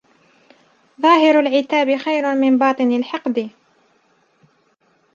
ظاهر العتاب خير من باطن الحقد